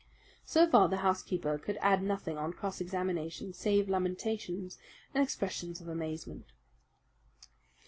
So far the housekeeper could add nothing on cross examination save lamentations and expressions of amazement.